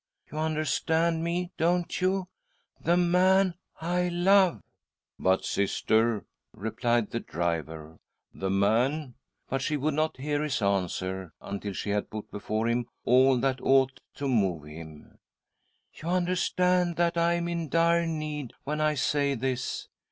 You understand me, don't you? The man I love." ■M SISTER EDITH PLEADS WITH DEATH in :■...■•" But, Sister/' replied the driver, " the man " But she would not hear his answer, until she had put before him all that ought to move him. " You understand that I am in dire need when I say this.